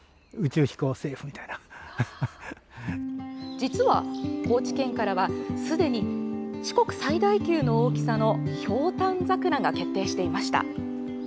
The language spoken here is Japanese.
実は、高知県からはすでに四国最大級の大きさのひょうたん桜が決定していました。